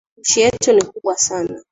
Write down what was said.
Nchi yetu ni kubwa sana